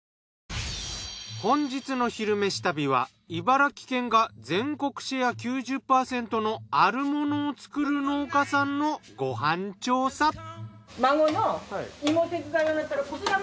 本日の「昼めし旅」は茨城県が全国シェア９０％のあるものを作る農家さんのご飯調査。